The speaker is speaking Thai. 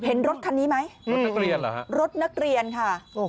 รถคันนี้ไหมรถนักเรียนเหรอฮะรถนักเรียนค่ะ